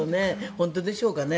本当でしょうかね？